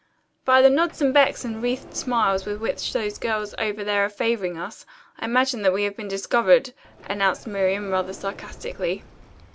"By the nods and becks and wreathed smiles with which those girls over there are favoring us, I imagine that we have been discovered," announced Miriam, rather sarcastically.